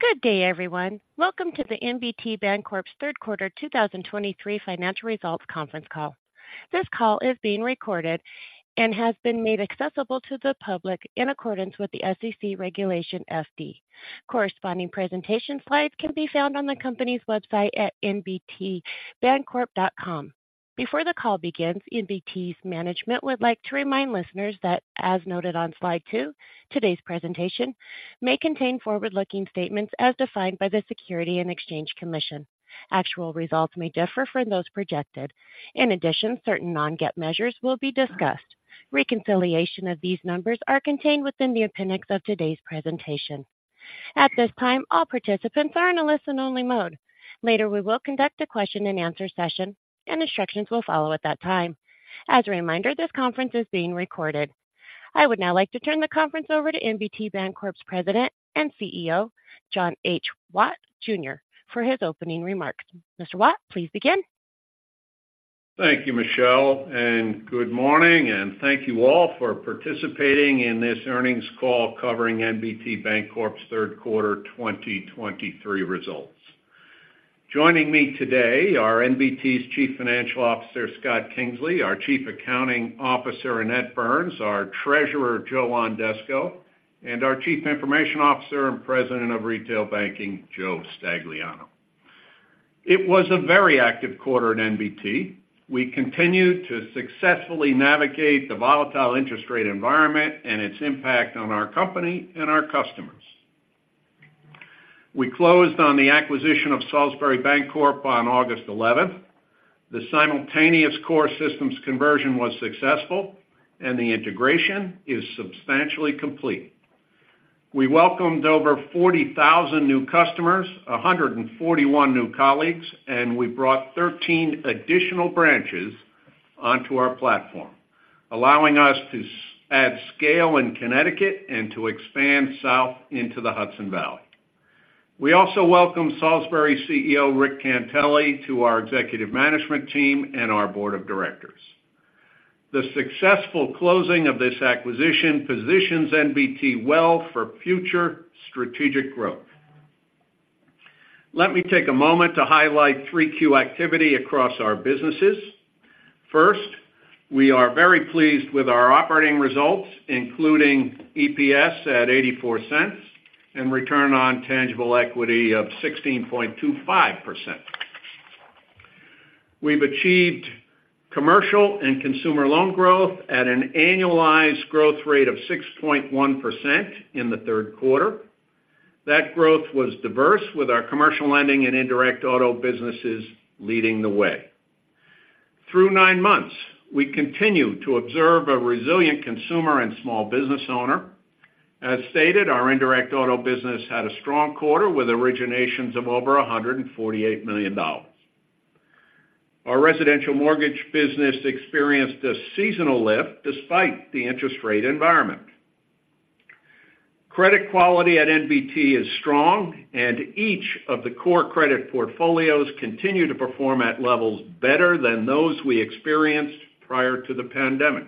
Good day, everyone. Welcome to the NBT Bancorp's Q3 2023 Financial Results Conference Call. This call is being recorded and has been made accessible to the public in accordance with the SEC Regulation FD. Corresponding presentation slides can be found on the company's website at nbtbancorp.com. Before the call begins, NBT's management would like to remind listeners that, as noted on slide two, today's presentation may contain forward-looking statements as defined by the Securities and Exchange Commission. Actual results may differ from those projected. In addition, certain non-GAAP measures will be discussed. Reconciliation of these numbers are contained within the appendix of today's presentation. At this time, all participants are in a listen-only mode. Later, we will conduct a question-and-answer session and instructions will follow at that time. As a reminder, this conference is being recorded. I would now like to turn the conference over to NBT Bancorp's President and CEO, John H. Watt, Jr., for his opening remarks. Mr. Watt, please begin. Thank you, Michelle, and good morning, and thank you all for participating in this earnings call covering NBT Bancorp's Q3 2023 Results. Joining me today are NBT's Chief Financial Officer, Scott Kingsley, our Chief Accounting Officer, Annette Burns, our Treasurer, Joe Ondesko, and our Chief Information Officer and President of Retail Banking, Joe Stagliano. It was a very active quarter at NBT. We continued to successfully navigate the volatile interest rate environment and its impact on our company and our customers. We closed on the acquisition of Salisbury Bancorp on August 11th. The simultaneous core systems conversion was successful, and the integration is substantially complete. We welcomed over 40,000 new customers, 141 new colleagues, and we brought 13 additional branches onto our platform, allowing us to add scale in Connecticut and to expand south into the Hudson Valley. We also welcome Salisbury CEO, Rick Cantele, to our executive management team and our board of directors. The successful closing of this acquisition positions NBT well for future strategic growth. Let me take a moment to highlight 3Q activity across our businesses. First, we are very pleased with our operating results, including EPS of $0.84 and return on tangible equity of 16.25%. We've achieved commercial and consumer loan growth at an annualized growth rate of 6.1% in the Q3. That growth was diverse, with our commercial lending and indirect auto businesses leading the way. Through nine months, we continue to observe a resilient consumer and small business owner. As stated, our indirect auto business had a strong quarter, with originations of over $148 million. Our residential mortgage business experienced a seasonal lift despite the interest rate environment. Credit quality at NBT is strong, and each of the core credit portfolios continue to perform at levels better than those we experienced prior to the pandemic.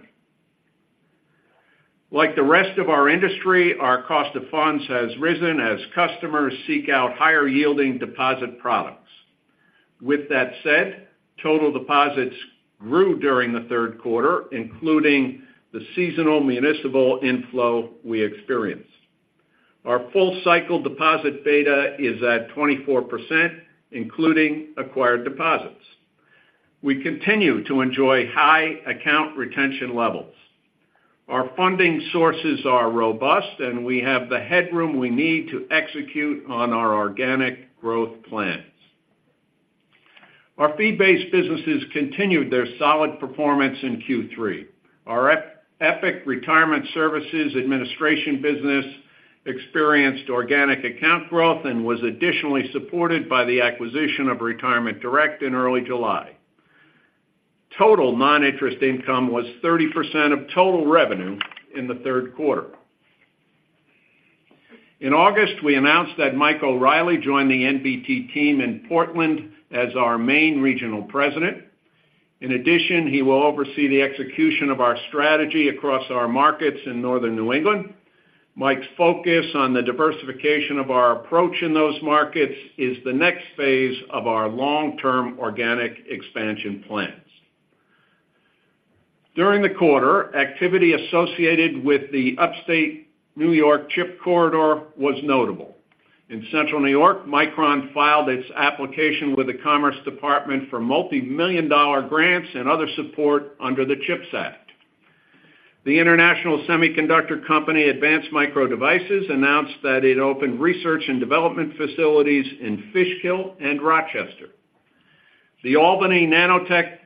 Like the rest of our industry, our cost of funds has risen as customers seek out higher yielding deposit products. With that said, total deposits grew during the Q3, including the seasonal municipal inflow we experienced. Our full cycle deposit beta is at 24%, including acquired deposits. We continue to enjoy high account retention levels. Our funding sources are robust, and we have the headroom we need to execute on our organic growth plans. Our fee-based businesses continued their solid performance in Q3. Our EPIC Retirement Services administration business experienced organic account growth and was additionally supported by the acquisition of Retirement Direct in early July. Total non-interest income was 30% of total revenue in the Q3. In August, we announced that Michael O'Reilly joined the NBT team in Portland as our Maine Regional President. In addition, he will oversee the execution of our strategy across our markets in northern New England. Mike's focus on the diversification of our approach in those markets is the next phase of our long-term organic expansion plans. During the quarter, activity associated with the Upstate New York chip corridor was notable. In Central New York, Micron filed its application with the Commerce Department for multi-million-dollar grants and other support under the CHIPS Act. The international semiconductor company, Advanced Micro Devices, announced that it opened research and development facilities in Fishkill and Rochester. The Albany Nanotech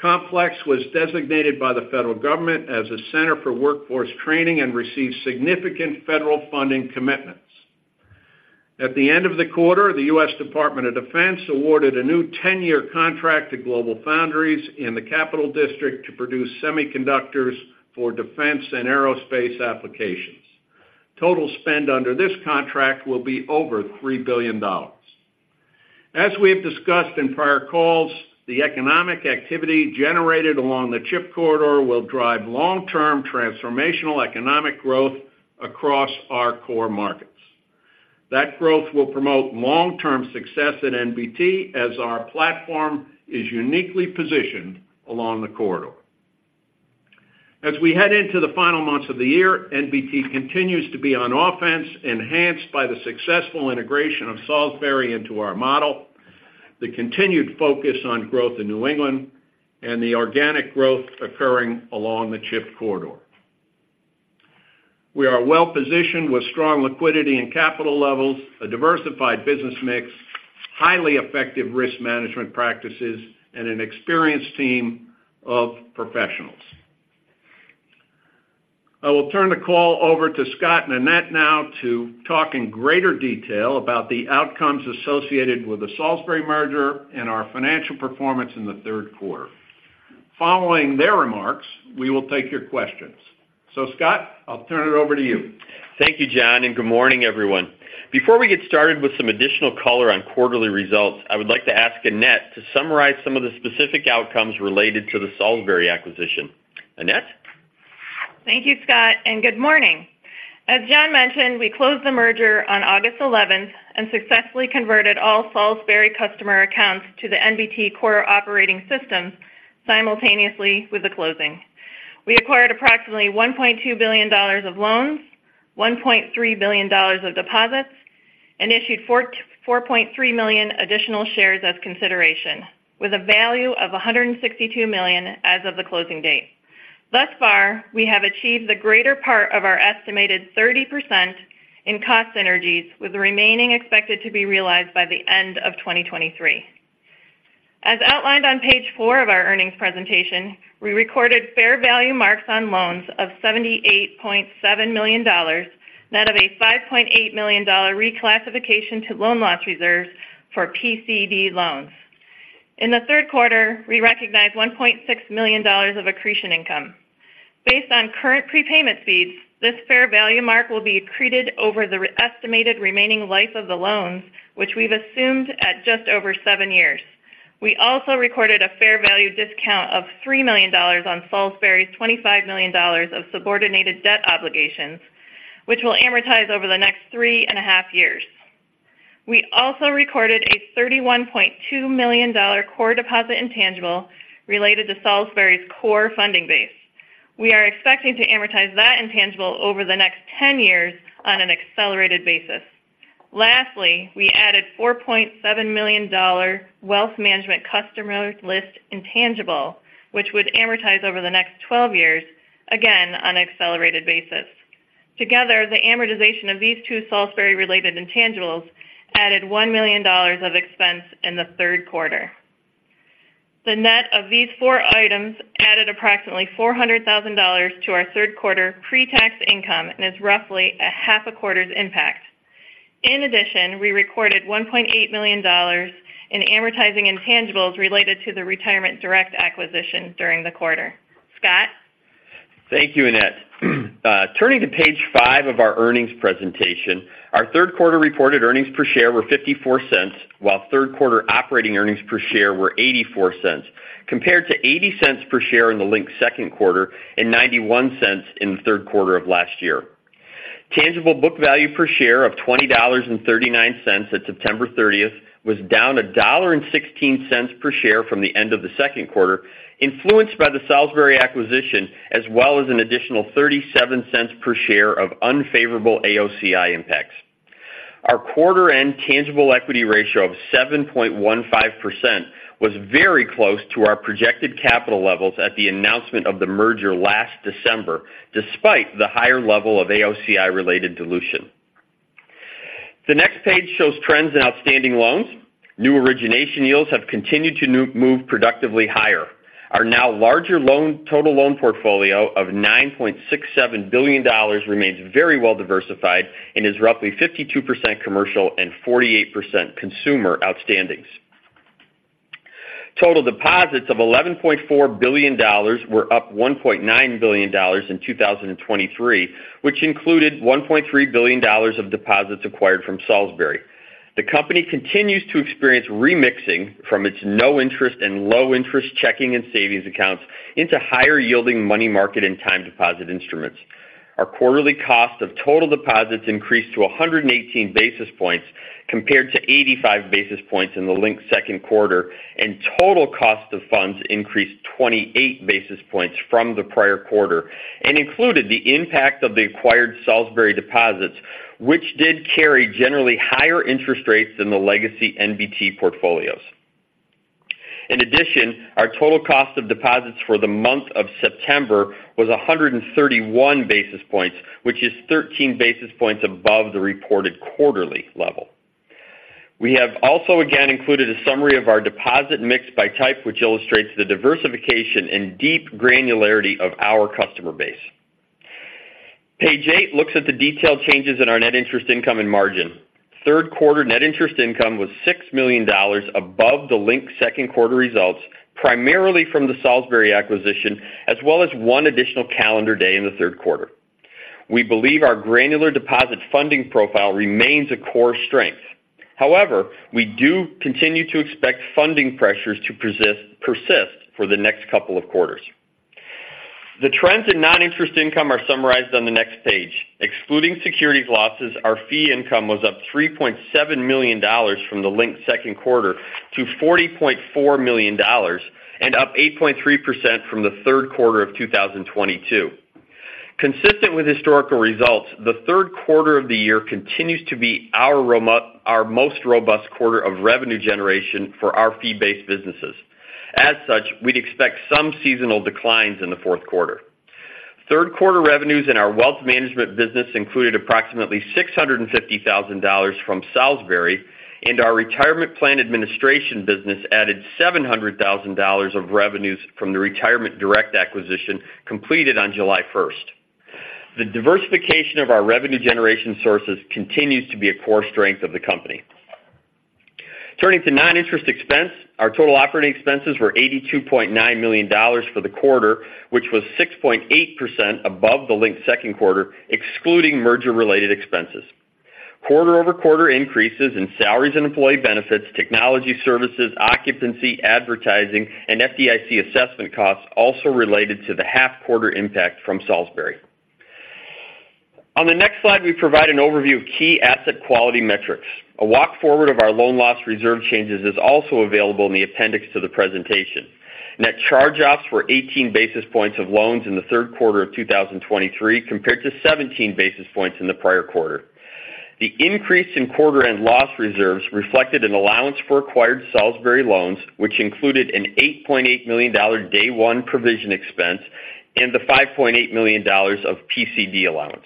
Complex was designated by the federal government as a center for workforce training and received significant federal funding commitments. At the end of the quarter, the U.S. Department of Defense awarded a new 10-year contract to GlobalFoundries in the Capital District to produce semiconductors for defense and aerospace applications. Total spend under this contract will be over $3 billion. As we have discussed in prior calls, the economic activity generated along the Chip Corridor will drive long-term transformational economic growth across our core markets. That growth will promote long-term success at NBT, as our platform is uniquely positioned along the corridor. As we head into the final months of the year, NBT continues to be on offense, enhanced by the successful integration of Salisbury into our model, the continued focus on growth in New England, and the organic growth occurring along the Chip Corridor. We are well-positioned with strong liquidity and capital levels, a diversified business mix, highly effective risk management practices, and an experienced team of professionals. I will turn the call over to Scott and Annette now to talk in greater detail about the outcomes associated with the Salisbury merger and our financial performance in the third quarter. Following their remarks, we will take your questions. Scott, I'll turn it over to you. Thank you, John, and good morning, everyone. Before we get started with some additional color on quarterly results, I would like to ask Annette to summarize some of the specific outcomes related to the Salisbury acquisition. Annette? Thank you, Scott, and good morning. As John mentioned, we closed the merger on August 11th and successfully converted all Salisbury customer accounts to the NBT core operating system simultaneously with the closing. We acquired approximately $1.2 billion of loans, $1.3 billion of deposits, and issued 4.3 million additional shares as consideration, with a value of $162 million as of the closing date. Thus far, we have achieved the greater part of our estimated 30% in cost synergies, with the remaining expected to be realized by the end of 2023. As outlined on page four of our earnings presentation, we recorded fair value marks on loans of $78.7 million, net of a $5.8 million reclassification to loan loss reserves for PCD loans. In the Q3, we recognized $1.6 million of accretion income. Based on current prepayment speeds, this fair value mark will be accreted over the estimated remaining life of the loans, which we've assumed at just over seven years. We also recorded a fair value discount of $3 million on Salisbury's $25 million of subordinated debt obligations, which will amortize over the next three and a half years. We also recorded a $31.2 million Core Deposit Intangible related to Salisbury's core funding base. We are expecting to amortize that intangible over the next 10 years on an accelerated basis. Lastly, we added $4.7 million wealth management customer list intangible, which would amortize over the next 12 years, again, on an accelerated basis. Together, the amortization of these two Salisbury-related intangibles added $1 million of expense in the third quarter. The net of these four items added approximately $400,000 to our third quarter pre-tax income and is roughly a half a quarter's impact. In addition, we recorded $1.8 million in amortizing intangibles related to the Retirement Direct acquisition during the quarter. Scott? Thank you, Annette. Turning to page five of our earnings presentation, our Q3 reported earnings per share were $0.54, while Q3 operating earnings per share were $0.84, compared to $0.80 per share in the linked second quarter and $0.91 in the Q3 of last year. Tangible book value per share of $20.39 at September 30 was down $1.16 per share from the end of the Q2, influenced by the Salisbury acquisition, as well as an additional $0.37 per share of unfavorable AOCI impacts. Our quarter-end tangible equity ratio of 7.15% was very close to our projected capital levels at the announcement of the merger last December, despite the higher level of AOCI-related dilution. The next page shows trends in outstanding loans. New origination yields have continued to move productively higher. Our now larger loan, total loan portfolio of $9.67 billion remains very well diversified and is roughly 52 commercial and 48% consumer outstandings. Total deposits of $11.4 billion were up $1.9 billion in 2023, which included $1.3 billion of deposits acquired from Salisbury. The company continues to experience remixing from its no-interest and low-interest checking and savings accounts into higher-yielding money market and time deposit instruments. Our quarterly cost of total deposits increased to 118 basis points, compared to 85 basis points in the linked Q2, and total cost of funds increased 28 basis points from the prior quarter and included the impact of the acquired Salisbury deposits, which did carry generally higher interest rates than the legacy NBT portfolios. In addition, our total cost of deposits for the month of September was 131 basis points, which is 13 basis points above the reported quarterly level. We have also again included a summary of our deposit mix by type, which illustrates the diversification and deep granularity of our customer base. Page eight looks at the detailed changes in our net interest income and margin. Q3 net interest income was $6 million above the linked Q2 results, primarily from the Salisbury acquisition, as well as one additional calendar day in the Q3. We believe our granular deposit funding profile remains a core strength. However, we do continue to expect funding pressures to persist for the next couple of quarters. The trends in non-interest income are summarized on the next page. Excluding securities losses, our fee income was up $3.7 million from the linked second quarter to $40.4 million, and up 8.3% from the Q3 of 2022. Consistent with historical results, the Q3 of the year continues to be our most robust quarter of revenue generation for our fee-based businesses. As such, we'd expect some seasonal declines in the Q4. Q3 revenues in our wealth management business included approximately $650,000 from Salisbury, and our retirement plan administration business added $700,000 of revenues from the Retirement Direct acquisition completed on July 1st. The diversification of our revenue generation sources continues to be a core strength of the company. Turning to non-interest expense. Our total operating expenses were $82.9 million for the quarter, which was 6.8% above the linked second quarter, excluding merger-related expenses. Quarter-over-quarter increases in salaries and employee benefits, technology services, occupancy, advertising, and FDIC assessment costs also related to the half quarter impact from Salisbury. On the next slide, we provide an overview of key asset quality metrics. A walk forward of our loan loss reserve changes is also available in the appendix to the presentation. Net charge-offs were 18 basis points of loans in the third quarter of 2023, compared to 17 basis points in the prior quarter. The increase in quarter end loss reserves reflected an allowance for acquired Salisbury loans, which included an $8.8 million day one provision expense and the $5.8 million of PCD allowance.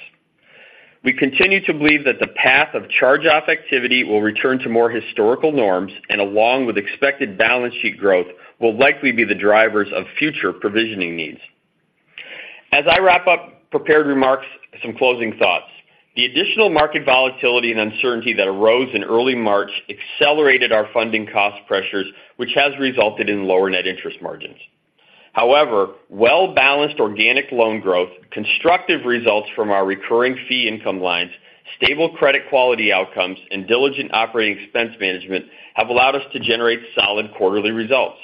We continue to believe that the path of charge-off activity will return to more historical norms, and along with expected balance sheet growth, will likely be the drivers of future provisioning needs. As I wrap up prepared remarks, some closing thoughts. The additional market volatility and uncertainty that arose in early March accelerated our funding cost pressures, which has resulted in lower net interest margins. However, well-balanced organic loan growth, constructive results from our recurring fee income lines, stable credit quality outcomes, and diligent operating expense management have allowed us to generate solid quarterly results.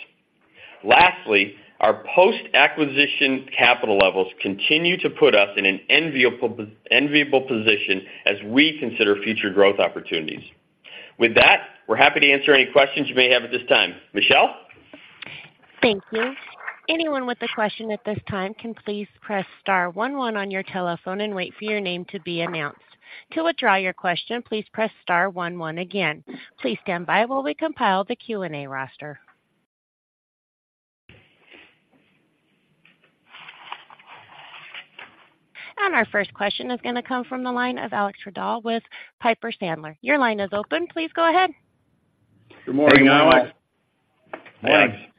Lastly, our post-acquisition capital levels continue to put us in an enviable position as we consider future growth opportunities. With that, we're happy to answer any questions you may have at this time. Michelle? Thank you. Anyone with a question at this time can please press star one one on your telephone and wait for your name to be announced. To withdraw your question, please press star one one again. Please stand by while we compile the Q&A roster. And our first question is going to come from the line of Alex Twerdahl with Piper Sandler. Your line is open. Please go ahead. Good morning, Alex.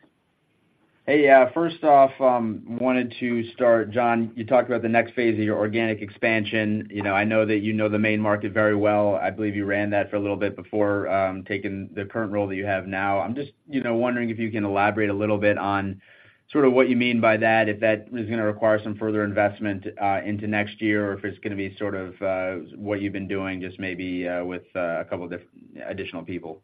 Hey, first off, wanted to start, John, you talked about the next phase of your organic expansion. You know, I know that you know the main market very well. I believe you ran that for a little bit before taking the current role that you have now. I'm just, you know, wondering if you can elaborate a little bit on sort of what you mean by that, if that is going to require some further investment into next year, or if it's going to be sort of what you've been doing, just maybe with a couple of additional people.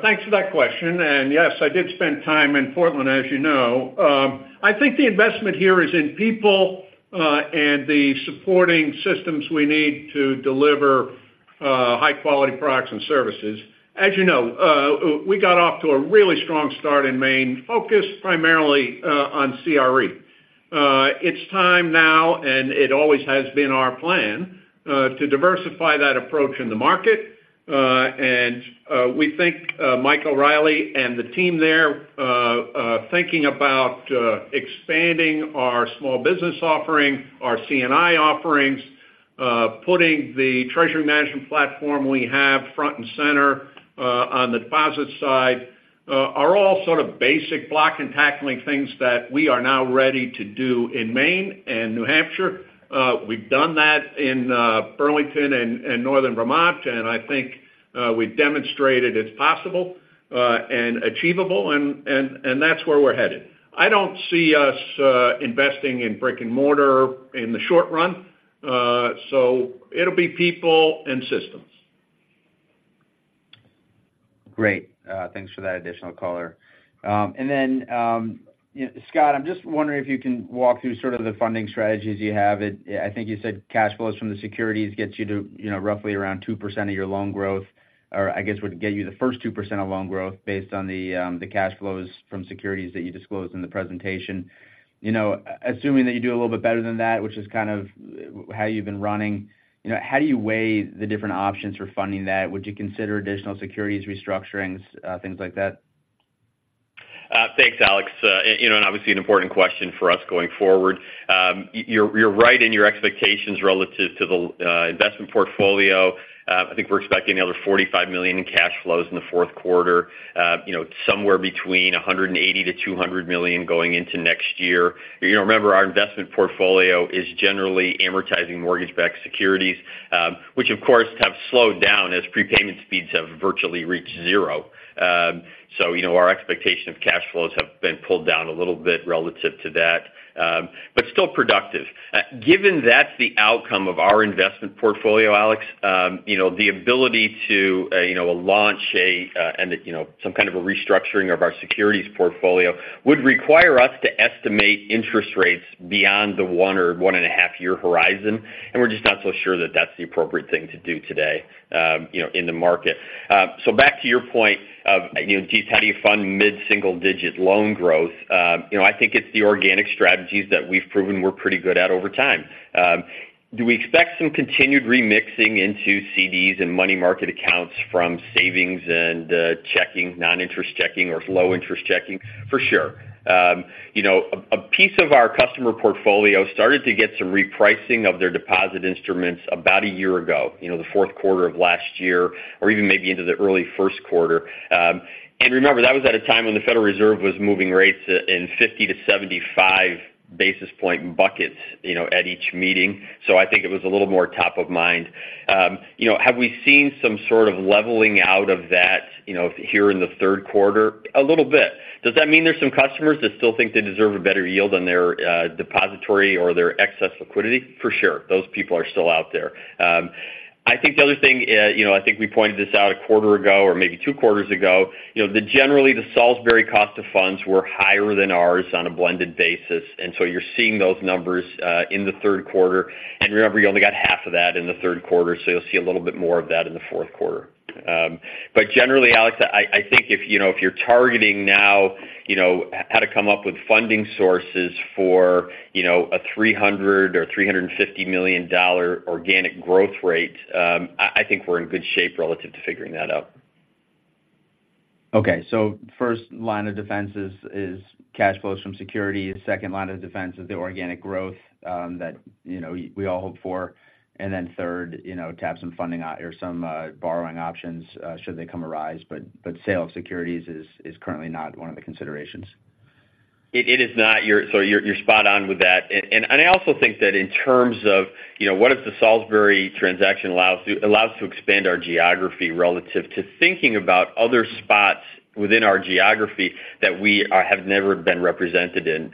Thanks for that question. And yes, I did spend time in Portland, as you know. I think the investment here is in people, and the supporting systems we need to deliver high-quality products and services. As you know, we got off to a really strong start in Maine, focused primarily on CRE. It's time now, and it always has been our plan to diversify that approach in the market. And we think Mike O'Reilly and the team there thinking about expanding our small business offering, our C&I offerings, putting the treasury management platform we have front and center, on the deposit side, are all sort of basic block and tackling things that we are now ready to do in Maine and New Hampshire. We've done that in Burlington and Northern Vermont, and I think we've demonstrated it's possible and achievable, and that's where we're headed. I don't see us investing in brick-and-mortar in the short run, so it'll be people and systems. Great. Thanks for that additional color. And then, Scott, I'm just wondering if you can walk through sort of the funding strategies you have. I think you said cash flows from the securities gets you to, you know, roughly around 2% of your loan growth, or I guess, would get you the first 2% of loan growth based on the cash flows from securities that you disclosed in the presentation. You know, assuming that you do a little bit better than that, which is kind of how you've been running, you know, how do you weigh the different options for funding that? Would you consider additional securities restructurings, things like that? Thanks, Alex. You know, and obviously an important question for us going forward. You're right in your expectations relative to the investment portfolio. I think we're expecting another $45 million in cash flows in the Q4. You know, somewhere between $180 million-$200 million going into next year. You know, remember, our investment portfolio is generally amortizing mortgage-backed securities, which, of course, have slowed down as prepayment speeds have virtually reached zero. So you know, our expectation of cash flows have been pulled down a little bit relative to that, but still productive. Given that's the outcome of our investment portfolio, Alex, you know, the ability to, you know, some kind of a restructuring of our securities portfolio would require us to estimate interest rates beyond the one or one and a half year horizon, and we're just not so sure that that's the appropriate thing to do today, you know, in the market. Back to your point of, you know, just how do you fund mid-single-digit loan growth? You know, I think it's the organic strategies that we've proven we're pretty good at over time. Do we expect some continued remixing into CDs and money market accounts from savings and checking, non-interest checking or low-interest checking? For sure. You know, a piece of our customer portfolio started to get some repricing of their deposit instruments about a year ago, you know, the fourth quarter of last year, or even maybe into the early first quarter. Remember, that was at a time when the Federal Reserve was moving rates in 50-75 basis point buckets, you know, at each meeting. I think it was a little more top of mind. You know, have we seen some sort of leveling out of that, you know, here in the Q3? A little bit. Does that mean there's some customers that still think they deserve a better yield on their depository or their excess liquidity? For sure. Those people are still out there. I think the other thing, you know, I think we pointed this out a quarter ago or maybe two quarters ago, you know, generally, the Salisbury cost of funds were higher than ours on a blended basis, and so you're seeing those numbers in the Q3. Remember, you only got half of that in the Q3, so you'll see a little bit more of that in the Q4. But generally, Alex, I think if, you know, if you're targeting now, you know, how to come up with funding sources for, you know, a $300 million or $350 million organic growth rate, I think we're in good shape relative to figuring that out. Okay, so first line of defense is cash flows from securities. Second line of defense is the organic growth that, you know, we all hope for. And then third, you know, tap some funding or some borrowing options should they arise, but sale of securities is currently not one of the considerations. It is not. You're so you're spot on with that. And I also think that in terms of, you know, what if the Salisbury transaction allows to expand our geography relative to thinking about other spots within our geography that we have never been represented in.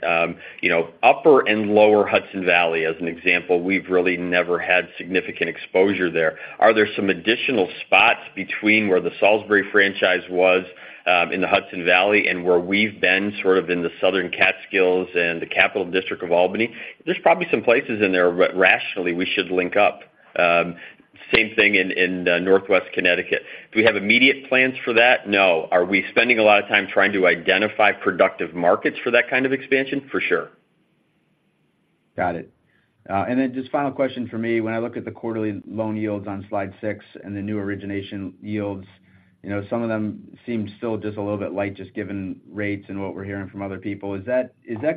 You know, Upper and Lower Hudson Valley, as an example, we've really never had significant exposure there. Are there some additional spots between where the Salisbury franchise was in the Hudson Valley and where we've been sort of in the southern Catskills and the Capital District of Albany? There's probably some places in there rationally we should link up. Same thing in in Northwest Connecticut. Do we have immediate plans for that? No. Are we spending a lot of time trying to identify productive markets for that kind of expansion? For sure. Got it. And then just final question for me. When I look at the quarterly loan yields on slide six and the new origination yields, you know, some of them seem still just a little bit light, just given rates and what we're hearing from other people. Is that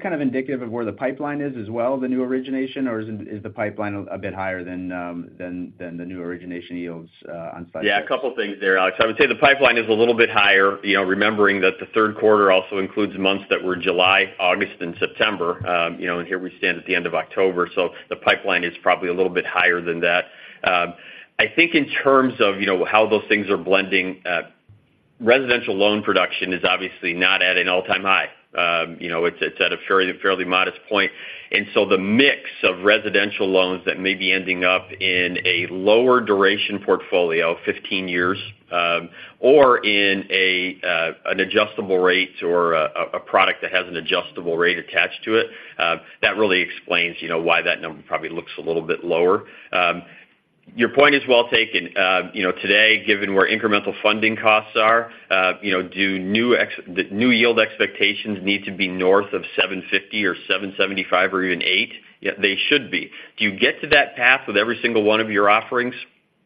kind of indicative of where the pipeline is as well, the new origination, or is the pipeline a bit higher than the new origination yields on slide six? Yeah, a couple things there, Alex. I would say the pipeline is a little bit higher, you know, remembering that the third quarter also includes months that were July, August and September. You know, and here we stand at the end of October, so the pipeline is probably a little bit higher than that. I think in terms of, you know, how those things are blending, residential loan production is obviously not at an all-time high. You know, it's, it's at a fairly, fairly modest point. And so the mix of residential loans that may be ending up in a lower duration portfolio, 15 years, or in a, an adjustable rate or a, a product that has an adjustable rate attached to it, that really explains, you know, why that number probably looks a little bit lower. Your point is well taken. You know, today, given where incremental funding costs are, you know, do the new yield expectations need to be north of 7.50% or 7.75% or even 8%? Yeah, they should be. Do you get to that path with every single one of your offerings?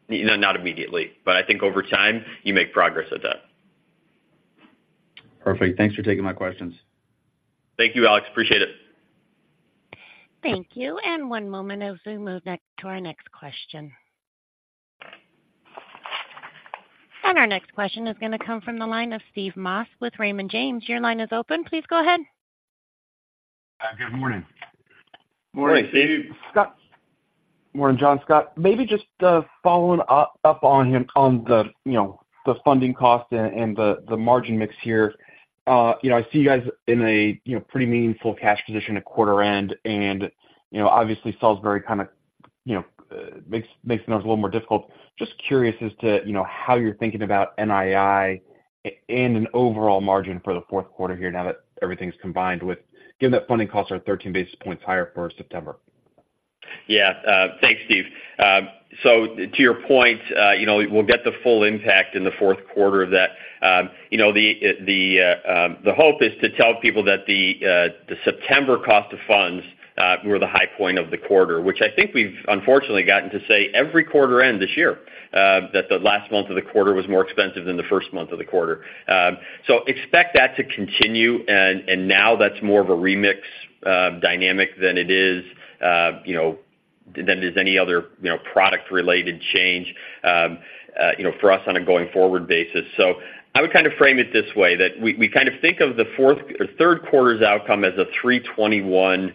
No, not immediately, but I think over time, you make progress at that. Perfect. Thanks for taking my questions. Thank you, Alex. Appreciate it. Thank you, and one moment as we move next to our next question. Our next question is going to come from the line of Steve Moss with Raymond James. Your line is open. Please go ahead. Good morning. Morning, Steve. Morning, John. Maybe just following up on the funding cost and the margin mix here. You know, I see you guys in a pretty meaningful cash position at quarter end, and, you know, obviously, Salisbury kind of makes things a little more difficult. Just curious as to how you're thinking about NII and an overall margin for the Q4 here now that everything's combined, given that funding costs are 13 basis points higher for September. Yeah. Thanks, Steve. So to your point, you know, we'll get the full impact in the fourth quarter of that. You know, the hope is to tell people that the September cost of funds were the high point of the quarter, which I think we've unfortunately gotten to say every quarter end this year, that the last month of the quarter was more expensive than the first month of the quarter. So expect that to continue, and now that's more of a remix dynamic than it is than there's any other you know, product-related change, you know, for us on a going-forward basis. So I would kind of frame it this way, that we, we kind of think of the Q3's outcome as a 3.21,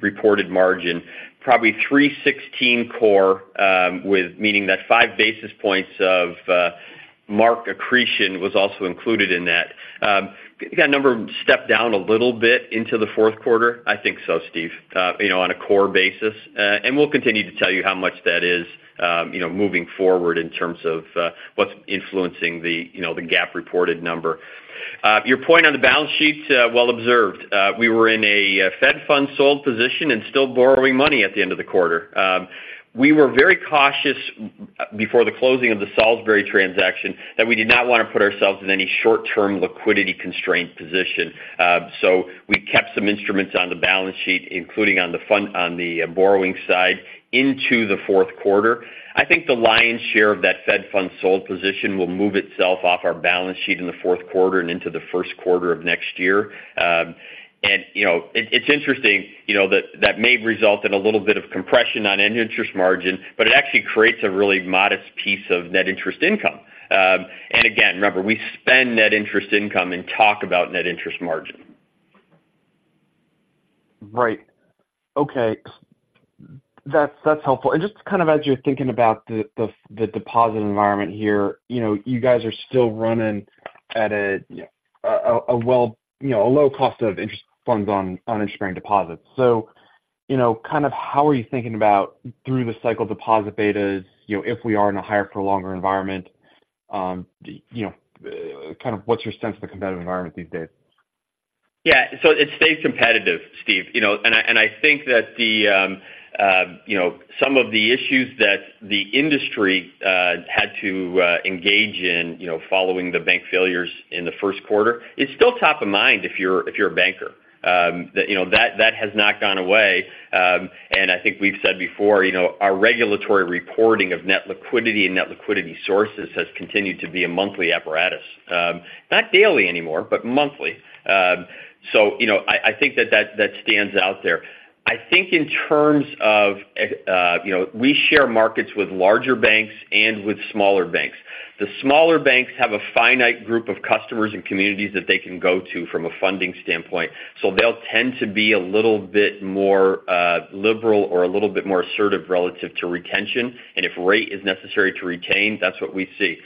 reported margin, probably 3.16 core, with meaning that five basis points of mark accretion was also included in that. You got a number stepped down a little bit into the Q4? I think so, Steve, you know, on a core basis. And we'll continue to tell you how much that is, you know, moving forward in terms of what's influencing the, you know, the GAAP reported number. Your point on the balance sheet, well observed. We were in a Fed Funds sold position and still borrowing money at the end of the quarter. We were very cautious before the closing of the Salisbury transaction, that we did not want to put ourselves in any short-term liquidity constraint position. So we kept some instruments on the balance sheet, including on the fund- on the borrowing side, into the fourth quarter. I think the lion's share of that Fed Funds sold position will move itself off our balance sheet in the fourth quarter and into the Q1 of next year. And, you know, it, it's interesting, you know, that that may result in a little bit of compression on net interest margin, but it actually creates a really modest piece of net interest income. And again, remember, we spend net interest income and talk about net interest margin. Right. Okay. That's, that's helpful. And just kind of as you're thinking about the deposit environment here, you know, you guys are still running at a well, you know, a low cost of interest funds on insuring deposits. So, you know, kind of how are you thinking about through the cycle deposit betas, you know, if we are in a higher for longer environment, you know, kind of what's your sense of the competitive environment these days? Yeah, so it stays competitive, Steve. You know, and I, and I think that the, you know, some of the issues that the industry had to engage in, you know, following the bank failures in the Q1, it's still top of mind if you're, if you're a banker. That, you know, that, that has not gone away. And I think we've said before, you know, our regulatory reporting of net liquidity and net liquidity sources has continued to be a monthly apparatus. Not daily anymore, but monthly. So, you know, I, I think that that, that stands out there. I think in terms of, ex- you know, we share markets with larger banks and with smaller banks. The smaller banks have a finite group of customers and communities that they can go to from a funding standpoint. So they'll tend to be a little bit more liberal or a little bit more assertive relative to retention, and if rate is necessary to retain, that's what we see.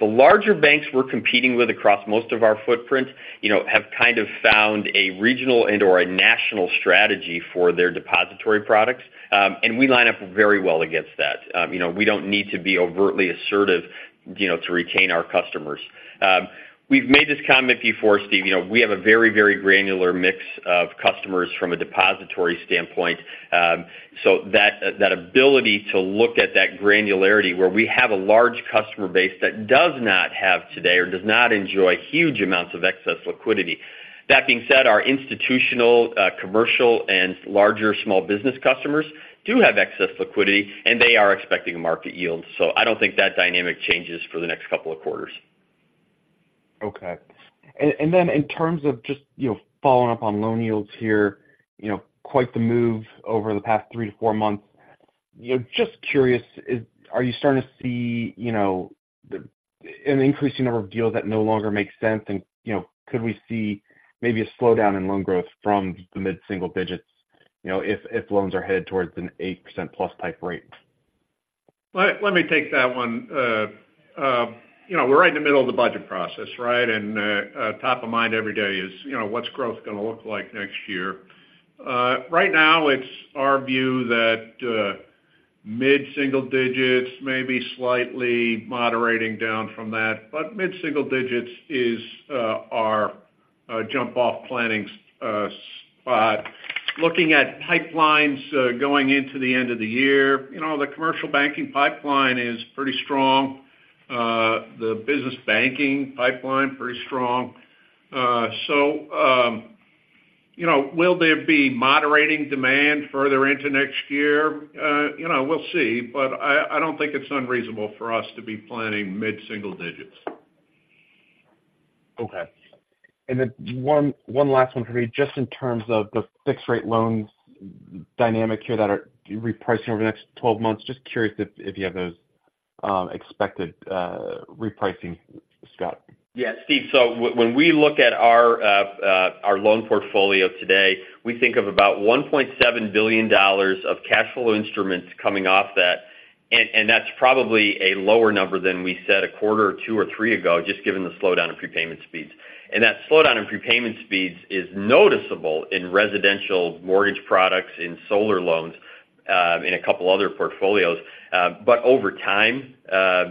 The larger banks we're competing with across most of our footprint, you know, have kind of found a regional and/or a national strategy for their depository products, and we line up very well against that. You know, we don't need to be overtly assertive, you know, to retain our customers. We've made this comment before, Steve, you know, we have a very, very granular mix of customers from a depository standpoint. So that ability to look at that granularity, where we have a large customer base that does not have today or does not enjoy huge amounts of excess liquidity. That being said, our institutional, commercial, and larger small business customers do have excess liquidity, and they are expecting market yields. So I don't think that dynamic changes for the next couple of quarters. Okay. And, and then in terms of just, you know, following up on loan yields here, you know, quite the move over the past three to four months. You know, just curious, are you starting to see, you know, the, an increasing number of deals that no longer make sense? And, you know, could we see maybe a slowdown in loan growth from the mid-single digits, you know, if, if loans are headed towards an 8%+ type rate? Let me take that one. You know, we're right in the middle of the budget process, right? And top of mind every day is, you know, what's growth gonna look like next year? Right now, it's our view that mid-single digits may be slightly moderating down from that, but mid-single digits is our jump-off planning spot. Looking at pipelines going into the end of the year, you know, the commercial banking pipeline is pretty strong. The business banking pipeline, pretty strong. So you know, will there be moderating demand further into next year? You know, we'll see, but I don't think it's unreasonable for us to be planning mid-single digits. Okay. And then one last one for me. Just in terms of the fixed rate loans dynamic here that are repricing over the next 12 months, just curious if you have those expected repricing, Scott? Yeah, Steve. So when we look at our, our loan portfolio today, we think of about $1.7 billion of cash flow instruments coming off that, and, and that's probably a lower number than we said a quarter or two or three ago, just given the slowdown in prepayment speeds. That slowdown in prepayment speeds is noticeable in residential mortgage products, in solar loans, in a couple other portfolios. Over time,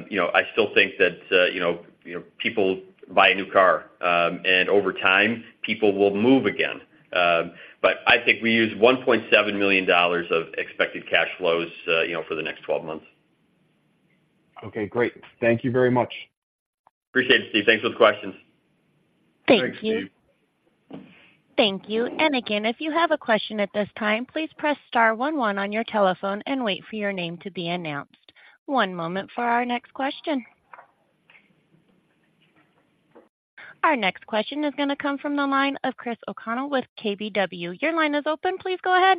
you know, I still think that, you know, people buy a new car, and over time, people will move again. I think we use $1.7 million of expected cash flows, you know, for the next twelve months. Okay, great. Thank you very much. Appreciate it, Steve. Thanks for the questions. Thanks, Steve. Thank you. Thank you. And again, if you have a question at this time, please press star one one on your telephone and wait for your name to be announced. One moment for our next question. Our next question is gonna come from the line of Chris O'Connell with KBW. Your line is open. Please go ahead.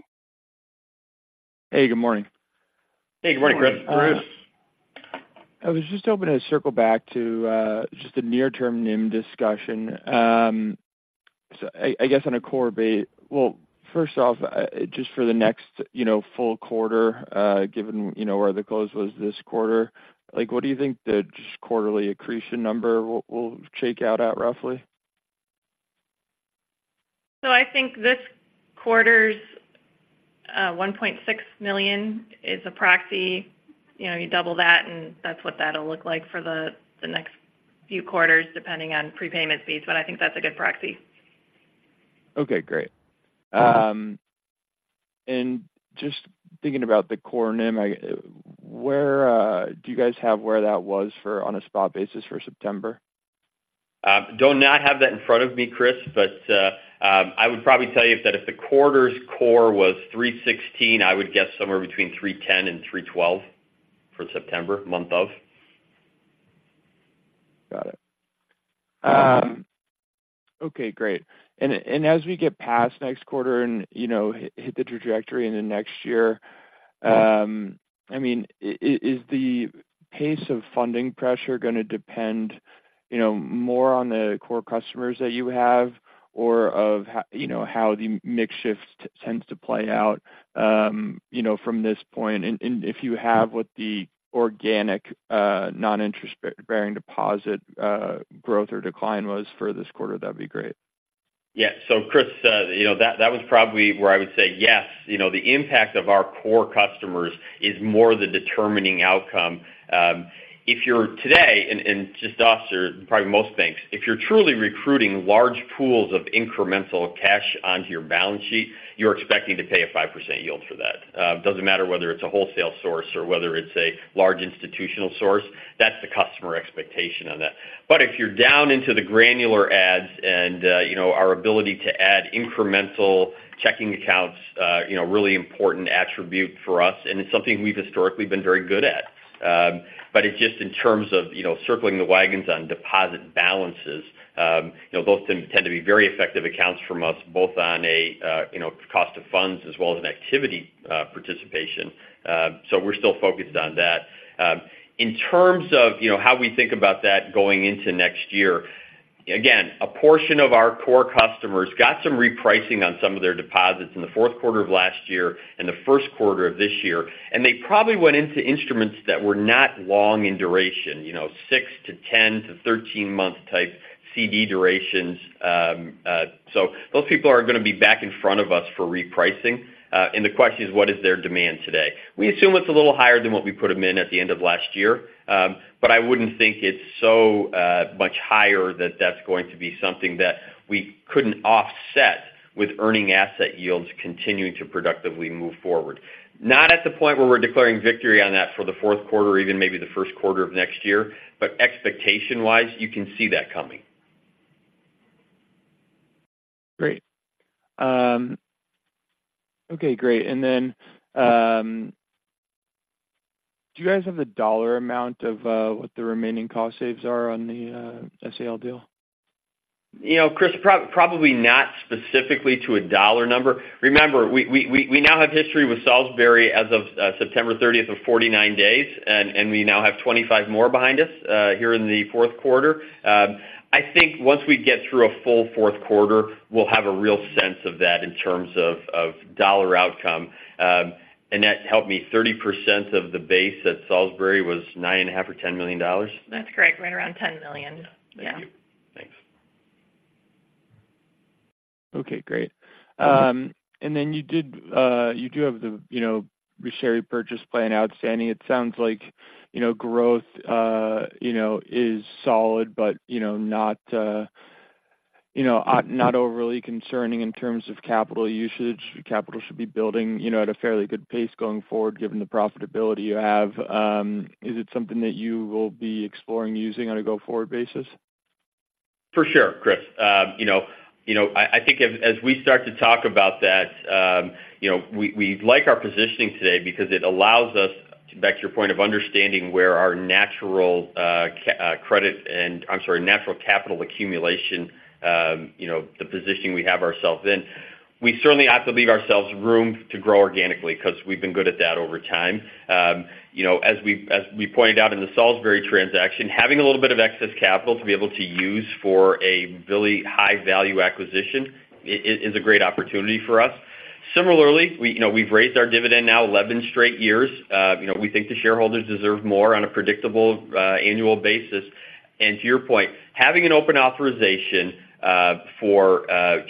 Hey, good morning. Hey, good morning, Chris. I was just hoping to circle back to just the near-term NIM discussion. So I guess on a core well, first off, just for the next, you know, full quarter, given, you know, where the close was this quarter, like, what do you think the just quarterly accretion number will shake out at roughly? So I think this quarter's $1.6 million is a proxy. You know, you double that, and that's what that'll look like for the next few quarters, depending on prepayment fees, but I think that's a good proxy. Okay, great. And just thinking about the core NIM, do you guys have what that was on a spot basis for September? Do not have that in front of me, Chris, but I would probably tell you that if the quarter's core was $3.16, I would guess somewhere between $3.10 and $3.12 for September, month of. Got it. Okay, great. And as we get past next quarter and, you know, hit the trajectory into next year, I mean, is the pace of funding pressure gonna depend, you know, more on the core customers that you have, or you know, how the mix shift tends to play out, you know, from this point? And if you have what the organic non-interest bearing deposit growth or decline was for this quarter, that'd be great. Yeah. So Chris, you know, that, that was probably where I would say yes. You know, the impact of our core customers is more the determining outcome. If you're today, and just us or probably most banks, if you're truly recruiting large pools of incremental cash onto your balance sheet, you're expecting to pay a 5% yield for that. It doesn't matter whether it's a wholesale source or whether it's a large institutional source, that's the customer expectation on that. But if you're down into the granular adds and, you know, our ability to add incremental checking accounts, you know, really important attribute for us, and it's something we've historically been very good at. But it's just in terms of, you know, circling the wagons on deposit balances, you know, those tend to be very effective accounts from us, both on a, you know, cost of funds as well as an activity, participation. So we're still focused on that. In terms of, you know, how we think about that going into next year, again, a portion of our core customers got some repricing on some of their deposits in the Q4 of last year and the Q1 of this year, and they probably went into instruments that were not long in duration, you know, six to 10 to 13 month type CD durations. So those people are gonna be back in front of us for repricing, and the question is, what is their demand today? We assume it's a little higher than what we put them in at the end of last year, but I wouldn't think it's so much higher that that's going to be something that we couldn't offset with earning asset yields continuing to productively move forward. Not at the point where we're declaring victory on that for the fourth quarter, even maybe the Q1 of next year, but expectation-wise, you can see that coming. Great. Okay, great. And then, do you guys have a dollar amount of what the remaining cost saves are on the SAL deal? You know, Chris, probably not specifically to a dollar number. Remember, we now have history with Salisbury as of September 30th of 49 days, and we now have 25 more behind us here in the fourth quarter. I think once we get through a full fourth quarter, we'll have a real sense of that in terms of dollar outcome. Annette, help me, 30% of the base at Salisbury was $9.5 million or $10 million? That's correct. Right around $10 million. Yeah. Thank you. Thanks. Okay, great. And then you do have the, you know, share repurchase plan outstanding. It sounds like, you know, growth, you know, is solid, but, you know, not, you know, not overly concerning in terms of capital usage. Capital should be building, you know, at a fairly good pace going forward, given the profitability you have. Is it something that you will be exploring using on a go-forward basis? For sure, Chris. You know, I think as we start to talk about that, you know, we like our positioning today because it allows us, back to your point of understanding where our natural capital accumulation, you know, the positioning we have ourselves in. We certainly have to leave ourselves room to grow organically because we've been good at that over time. You know, as we pointed out in the Salisbury transaction, having a little bit of excess capital to be able to use for a really high-value acquisition is a great opportunity for us. Similarly, you know, we've raised our dividend now 11 straight years. You know, we think the shareholders deserve more on a predictable annual basis. To your point, having an open authorization for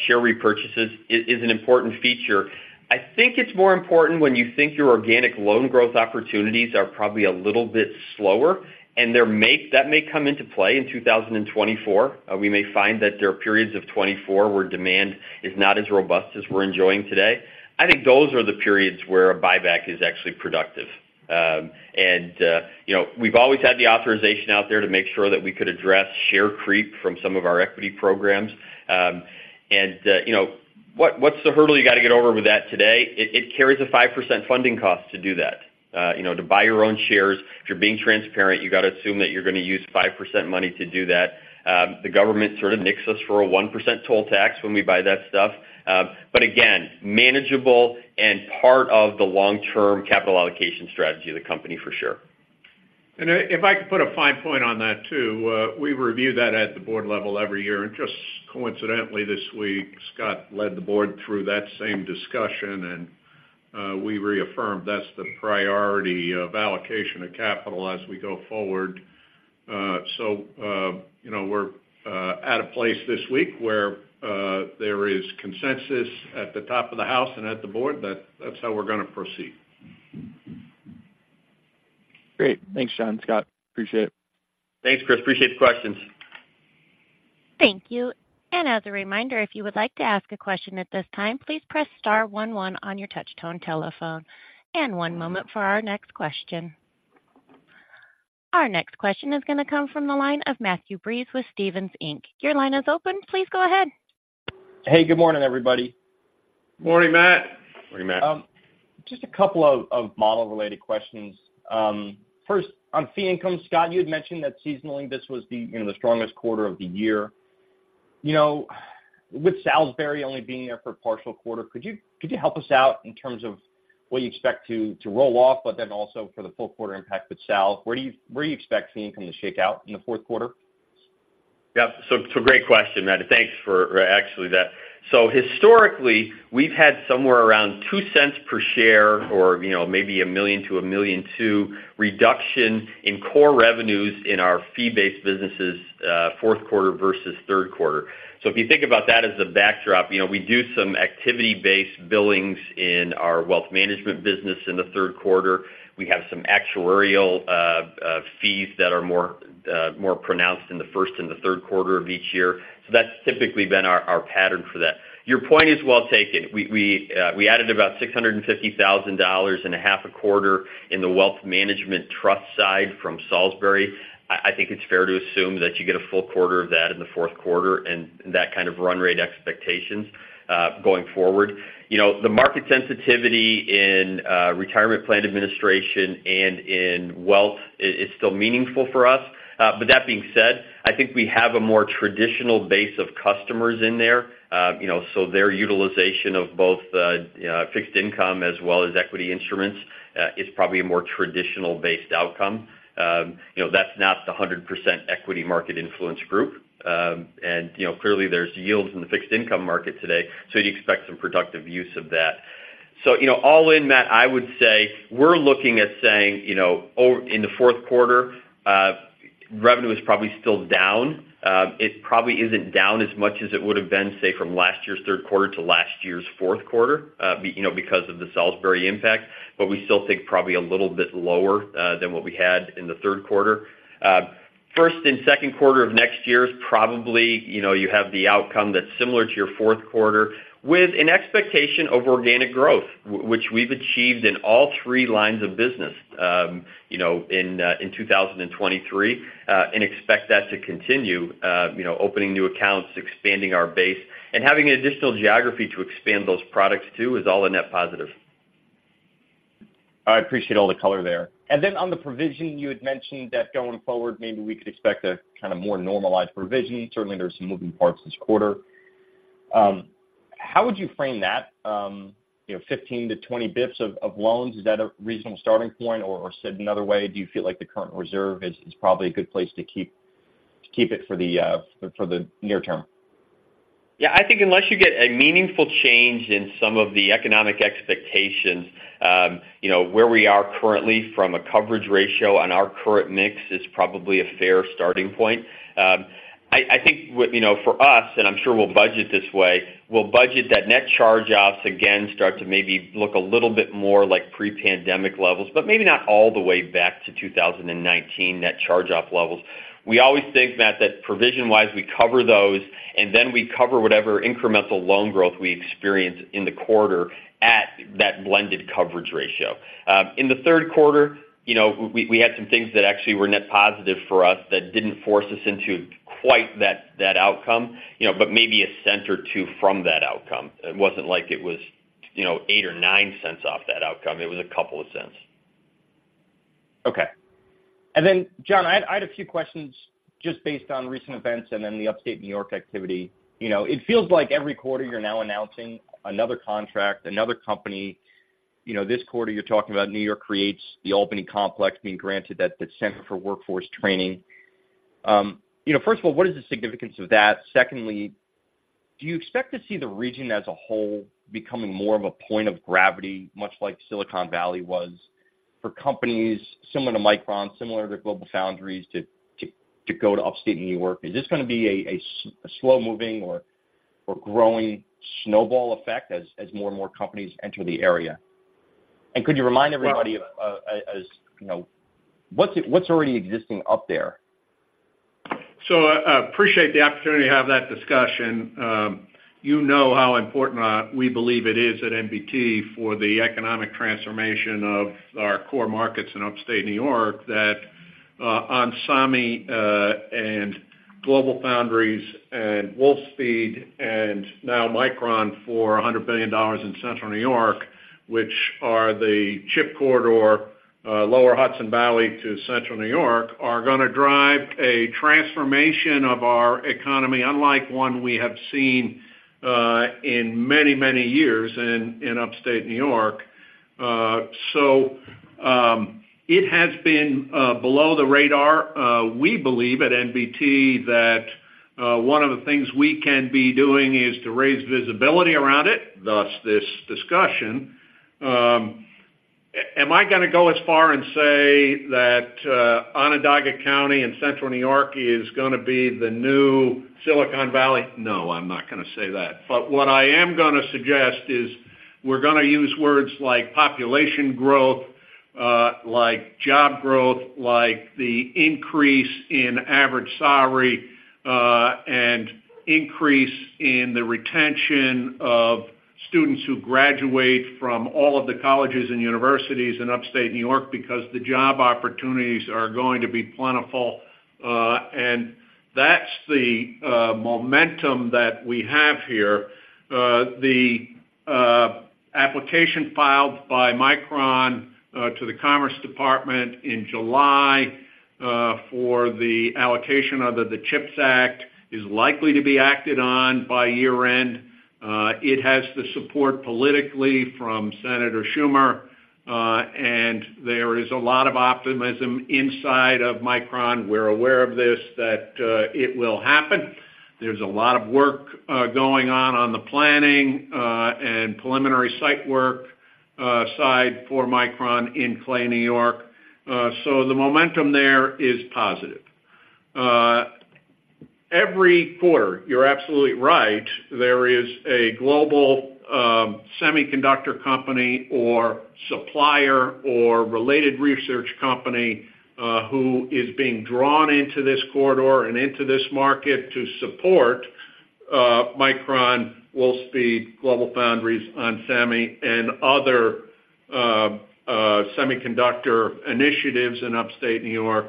share repurchases is an important feature. I think it's more important when you think your organic loan growth opportunities are probably a little bit slower, and that may come into play in 2024. We may find that there are periods of 2024 where demand is not as robust as we're enjoying today. I think those are the periods where a buyback is actually productive. You know, we've always had the authorization out there to make sure that we could address share creep from some of our equity programs. What's the hurdle you got to get over with that today? It carries a 5% funding cost to do that. you know, to buy your own shares, if you're being transparent, you got to assume that you're going to use 5% money to do that. The government sort of nicks us for a 1% toll tax when we buy that stuff. But again, manageable and part of the long-term capital allocation strategy of the company, for sure. If I could put a fine point on that, too, we review that at the board level every year. And just coincidentally this week, Scott led the board through that same discussion, and we reaffirmed that's the priority of allocation of capital as we go forward. So, you know, we're at a place this week where there is consensus at the top of the house and at the board that that's how we're going to proceed. Great. Thanks, John, Scott. Appreciate it. Thanks, Chris. Appreciate the questions. Thank you. And as a reminder, if you would like to ask a question at this time, please press star one one on your touchtone telephone. And one moment for our next question. Our next question is going to come from the line of Matthew Breese with Stephens Inc. Your line is open. Please go ahead. Hey, good morning, everybody. Morning, Matt! Morning, Matt. Just a couple of model-related questions. First, on fee income, Scott, you had mentioned that seasonally, this was you know, the strongest quarter of the year. You know, with Salisbury only being there for a partial quarter, could you help us out in terms of what you expect to roll off, but then also for the full quarter impact with Sal, where do you expect fee income to shake out in the Q4? Yeah. So, it's a great question, Matt. Thanks for actually that. So historically, we've had somewhere around $0.02 per share or, you know, maybe a $1 million-$1.2 million reduction in core revenues in our fee-based businesses Q4 versus Q3. So if you think about that as a backdrop, you know, we do some activity-based billings in our wealth management business in the third quarter. We have some actuarial fees that are more, more pronounced in the first and the Q3 of each year. So that's typically been our, our pattern for that. Your point is well taken. We added about $650,500 a quarter in the wealth management trust side from Salisbury. I think it's fair to assume that you get a full quarter of that in the Q4 and that kind of run rate expectations going forward. You know, the market sensitivity in retirement plan administration and in wealth is still meaningful for us. But that being said, I think we have a more traditional base of customers in there. You know, so their utilization of both, you know, fixed income as well as equity instruments is probably a more traditional-based outcome. You know, that's not the 100% equity market influence group. And you know, clearly, there's yields in the fixed income market today, so you'd expect some productive use of that. So, you know, all in, Matt, I would say, we're looking at saying, you know, in the Q4, revenue is probably still down. It probably isn't down as much as it would have been, say, from last year's third quarter to last year's Q4, you know, because of the Salisbury impact. But we still think probably a little bit lower than what we had in the Q3. Q1 and Q2 of next year is probably, you know, you have the outcome that's similar to your Q4, with an expectation of organic growth, which we've achieved in all three lines of business, you know, in 2023, and expect that to continue, you know, opening new accounts, expanding our base, and having an additional geography to expand those products to is all a net positive. I appreciate all the color there. Then on the provision, you had mentioned that going forward, maybe we could expect a kind of more normalized provision. Certainly, there's some moving parts this quarter. How would you frame that, you know, 15-20 basis points of loans? Is that a reasonable starting point, or said another way, do you feel like the current reserve is probably a good place to keep it for the near term? Yeah, I think unless you get a meaningful change in some of the economic expectations, you know, where we are currently from a coverage ratio on our current mix is probably a fair starting point. I think, with you know, for us, and I'm sure we'll budget this way, we'll budget that net charge offs again start to maybe look a little bit more like pre-pandemic levels, but maybe not all the way back to 2019 net charge off levels. We always think, Matt, that provision-wise, we cover those, and then we cover whatever incremental loan growth we experience in the quarter at that blended coverage ratio. In the Q3, you know, we had some things that actually were net positive for us that didn't force us into quite that outcome, you know, but maybe $0.01 or $0.02 from that outcome. It wasn't like it was, you know, $0.08 or $0.09 off that outcome. It was $0.02. Okay. And then, John, I had a few questions just based on recent events and then the upstate New York activity. You know, it feels like every quarter you're now announcing another contract, another company. You know, this quarter, you're talking about New York Creates, the Albany Complex being granted that, the Center for Workforce Training. First of all, what is the significance of that? Secondly, do you expect to see the region as a whole becoming more of a point of gravity, much like Silicon Valley was, for companies similar to Micron, similar to GlobalFoundries, to go to upstate New York? Is this going to be a slow-moving or growing snowball effect as more and more companies enter the area? And could you remind everybody, as you know, what's already existing up there? So, I appreciate the opportunity to have that discussion. You know how important we believe it is at NBT for the economic transformation of our core markets in upstate New York, onsemi, and GlobalFoundries and Wolfspeed, and now Micron for $100 billion in Central New York, which are the chip corridor, lower Hudson Valley to Central New York, are gonna drive a transformation of our economy, unlike one we have seen in many, many years in upstate New York. So, it has been below the radar. We believe at NBT that one of the things we can be doing is to raise visibility around it, thus this discussion. Am I gonna go as far and say that Onondaga County and Central New York is gonna be the new Silicon Valley? No, I'm not gonna say that. But what I am gonna suggest is we're gonna use words like population growth, like job growth, like the increase in average salary, and increase in the retention of students who graduate from all of the colleges and universities in Upstate New York, because the job opportunities are going to be plentiful, and that's the momentum that we have here. The application filed by Micron to the Commerce Department in July for the allocation under the CHIPS Act is likely to be acted on by year-end. It has the support politically from Senator Schumer, and there is a lot of optimism inside of Micron. We're aware of this, that it will happen. There's a lot of work going on on the planning and preliminary site work side for Micron in Clay, New York. So the momentum there is positive. Every quarter, you're absolutely right, there is a global semiconductor company or supplier or related research company who is being drawn into this corridor and into this market to support Micron, Wolfspeed, GlobalFoundries, onsemi, and other semiconductor initiatives in upstate New York.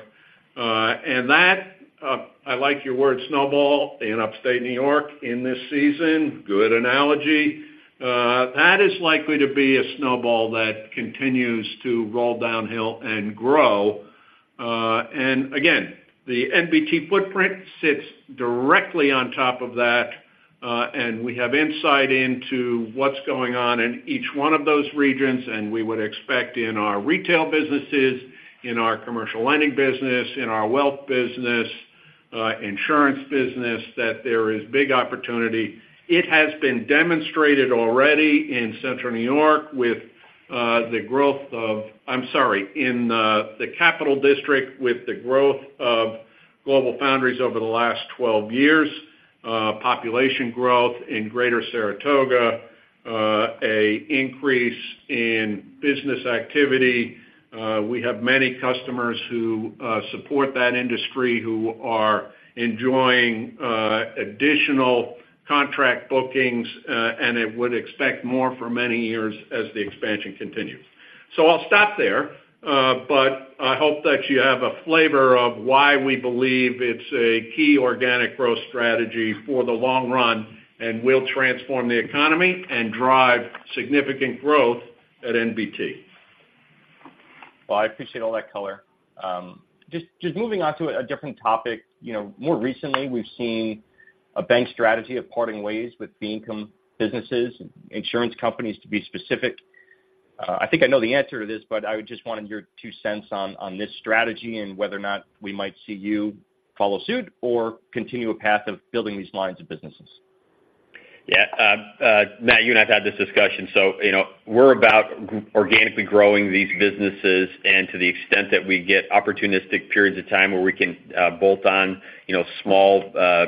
And that, I like your word snowball in upstate New York in this season, good analogy. That is likely to be a snowball that continues to roll downhill and grow. And again, the NBT footprint sits directly on top of that, and we have insight into what's going on in each one of those regions, and we would expect in our retail businesses, in our commercial lending business, in our wealth business, insurance business, that there is big opportunity. It has been demonstrated already in Central New York with the growth of—I'm sorry, in the Capital District, with the growth of GlobalFoundries over the last 12 years, population growth in Greater Saratoga, an increase in business activity. We have many customers who support that industry, who are enjoying additional contract bookings, and it would expect more for many years as the expansion continues. So I'll stop there, but I hope that you have a flavor of why we believe it's a key organic growth strategy for the long run and will transform the economy and drive significant growth at NBT. Well, I appreciate all that color. Just, just moving on to a different topic. You know, more recently, we've seen a bank strategy of parting ways with fee income businesses, insurance companies to be specific. I think I know the answer to this, but I would just want your two cents on this strategy and whether or not we might see you follow suit or continue a path of building these lines of businesses. Yeah. Matt, you and I have had this discussion, so, you know, we're about organically growing these businesses, and to the extent that we get opportunistic periods of time where we can, bolt on, you know, small,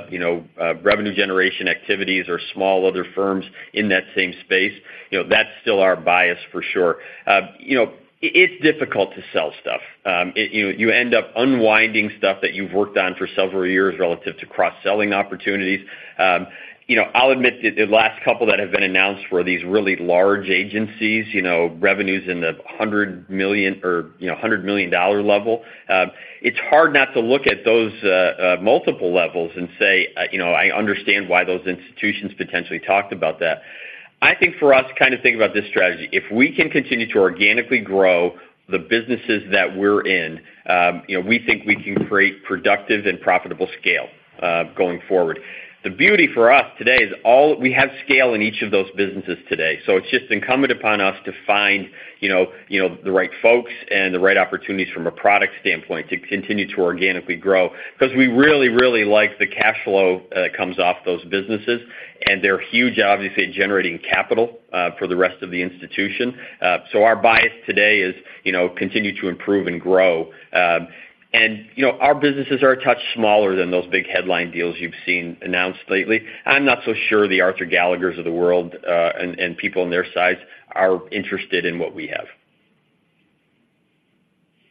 you know, revenue generation activities or small other firms in that same space, you know, that's still our bias for sure. You know, it's difficult to sell stuff. You end up unwinding stuff that you've worked on for several years relative to cross-selling opportunities. You know, I'll admit the last couple that have been announced were these really large agencies, you know, revenues in the $100 million or, you know, $100 million level. It's hard not to look at those, multiple levels and say, you know, I understand why those institutions potentially talked about that. I think for us, kind of think about this strategy. If we can continue to organically grow the businesses that we're in, you know, we think we can create productive and profitable scale, going forward. The beauty for us today is all we have scale in each of those businesses today. So it's just incumbent upon us to find, you know, you know, the right folks and the right opportunities from a product standpoint to continue to organically grow. 'Cause we really, really like the cash flow, that comes off those businesses, and they're huge, obviously, in generating capital, for the rest of the institution. So our bias today is, you know, continue to improve and grow. And, you know, our businesses are a touch smaller than those big headline deals you've seen announced lately. I'm not so sure the Arthur Gallaghers of the world, and people of their size are interested in what we have.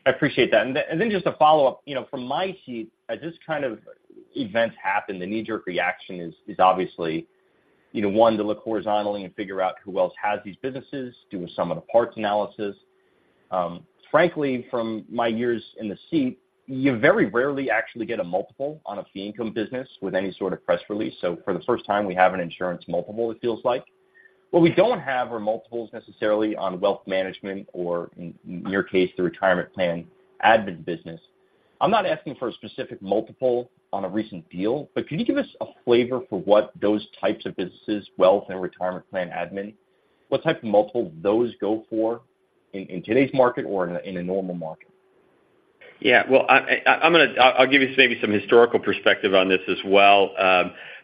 I appreciate that. And then, and then just a follow-up. You know, from my seat, as this kind of events happen, the knee-jerk reaction is, is obviously, you know, one, to look horizontally and figure out who else has these businesses, do sum of the parts analysis. Frankly, from my years in the seat, you very rarely actually get a multiple on a fee income business with any sort of press release. So for the first time, we have an insurance multiple, it feels like. What we don't have are multiples necessarily on wealth management or in, in your case, the retirement plan admin business. I'm not asking for a specific multiple on a recent deal, but can you give us a flavor for what those types of businesses, wealth and retirement plan admin, what type of multiple those go for in today's market or in a normal market? Yeah. Well, I, I'm gonna—I'll give you maybe some historical perspective on this as well.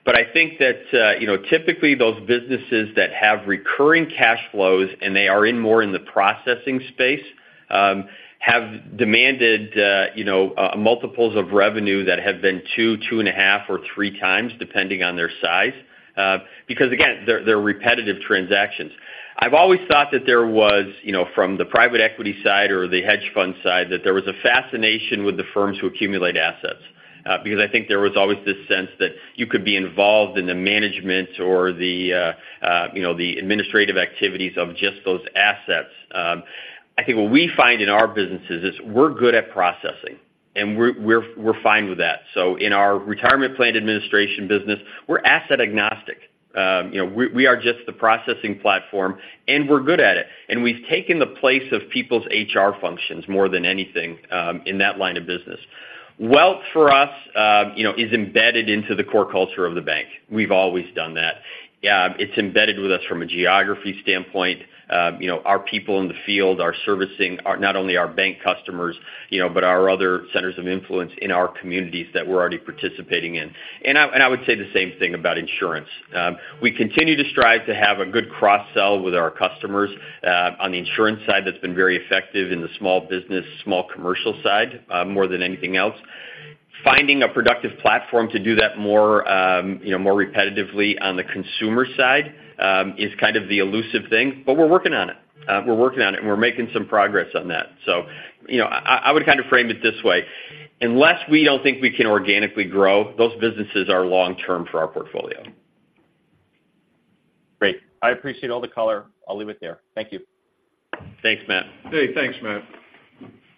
But I think that, you know, typically those businesses that have recurring cash flows and they are in more in the processing space, have demanded, you know, multiples of revenue that have been two, two and a half or three times, depending on their size. Because, again, they're repetitive transactions. I've always thought that there was, you know, from the private equity side or the hedge fund side, that there was a fascination with the firms who accumulate assets. Because I think there was always this sense that you could be involved in the management or the, you know, the administrative activities of just those assets. I think what we find in our businesses is we're good at processing, and we're fine with that. So in our retirement plan administration business, we're asset agnostic. You know, we are just the processing platform, and we're good at it, and we've taken the place of people's HR functions more than anything, in that line of business. Wealth, for us, you know, is embedded into the core culture of the bank. We've always done that. It's embedded with us from a geography standpoint. You know, our people in the field are servicing not only our bank customers, you know, but our other centers of influence in our communities that we're already participating in. I would say the same thing about insurance. We continue to strive to have a good cross-sell with our customers. On the insurance side, that's been very effective in the small business, small commercial side, more than anything else. Finding a productive platform to do that more, you know, more repetitively on the consumer side, is kind of the elusive thing, but we're working on it. We're working on it, and we're making some progress on that. So, you know, I would kind of frame it this way: unless we don't think we can organically grow, those businesses are long-term for our portfolio. Great. I appreciate all the color. I'll leave it there. Thank you. Thanks, Matt. Hey, thanks, Matt.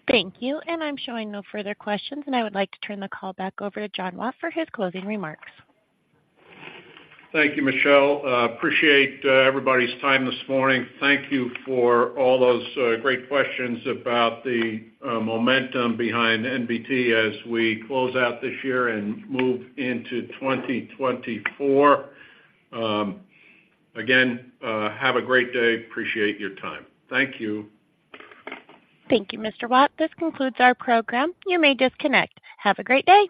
Thank you. I'm showing no further questions, and I would like to turn the call back over to John Watt for his closing remarks. Thank you, Michelle. Appreciate everybody's time this morning. Thank you for all those great questions about the momentum behind NBT as we close out this year and move into 2024. Again, have a great day. Appreciate your time. Thank you. Thank you, Mr. Watt. This concludes our program. You may disconnect. Have a great day!